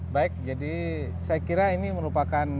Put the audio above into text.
baik jadi saya kira ini merupakan